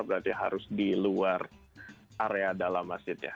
berarti harus di luar area dalam masjid ya